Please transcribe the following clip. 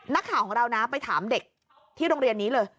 นักข่าวของเรานะไปถามเด็กที่โรงเรียนนี้เลย